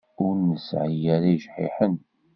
Ur nesɛi ara ijḥiḥen.